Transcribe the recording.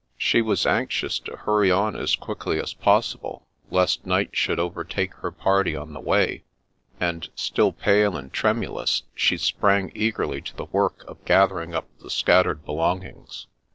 She was anxious to hurry on as quickly as possible, lest night should overtake her party on the way, and, still pale and tremulous, she sprang eagerly to the work of gathering up the scattered belongings.